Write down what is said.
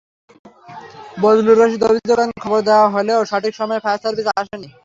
বজলুর রশীদ অভিযোগ করেন, খবর দেওয়া হলেও সঠিক সময়ে ফায়ার সার্ভিস আসেনি।